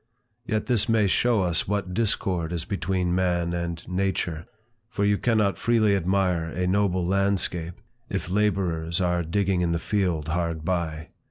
Yet this may show us what discord is between man and nature, for you cannot freely admire a noble landscape, if laborers are digging in the field hard by.